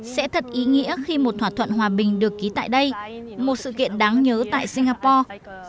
sẽ thật ý nghĩa khi một thỏa thuận hòa bình được ký tại đây một sự kiện đáng nhớ tại singapore